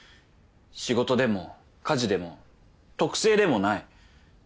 仕事でも家事でも特性でもない。